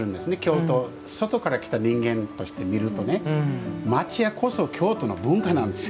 京都外から来た人間として見ると町家こそ京都の文化なんですよ。